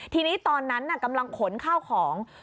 ทีนี้ตอนนั้นกำลังขนข้าวของ